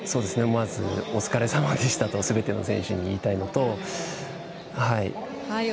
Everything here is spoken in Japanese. まず、お疲れさまでしたとすべての選手に言いたいのと。